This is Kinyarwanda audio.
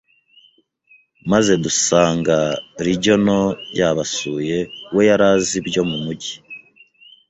maze dusanga Regional yabasuye we yari azi ibyo mu mugi